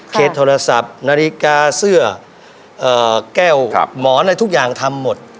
โทรศัพท์นาฬิกาเสื้อแก้วหมอนอะไรทุกอย่างทำหมด